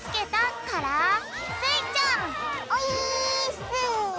オィーッス！